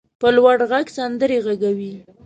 په لوړ غږ سندرې غږوي.